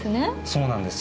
そうなんです。